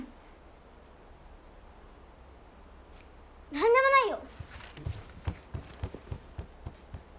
何でもないよ。